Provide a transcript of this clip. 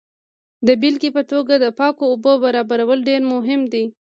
د بیلګې په توګه د پاکو اوبو برابرول ډیر مهم دي.